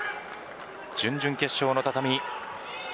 準々決勝の畳。